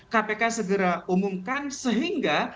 kpk segera umumkan sehingga